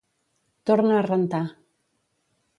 Tornar a rentar.